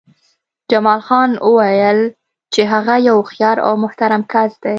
جمال خان وویل چې هغه یو هوښیار او محترم کس دی